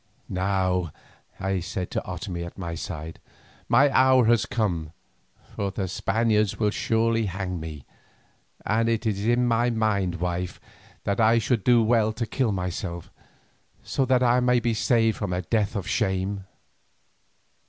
"Now," I said to Otomie at my side, "my hour has come, for the Spaniards will surely hang me, and it is in my mind, wife, that I should do well to kill myself, so that I may be saved from a death of shame."